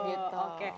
oh baru oke